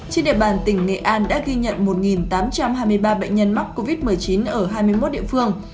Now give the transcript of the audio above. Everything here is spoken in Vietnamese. trên địa bàn tỉnh nghệ an đã ghi nhận một tám trăm hai mươi ba bệnh nhân mắc covid một mươi chín ở hai mươi một địa phương